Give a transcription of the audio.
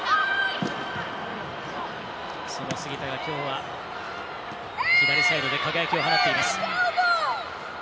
その杉田がきょうは左サイドで輝きを放っています。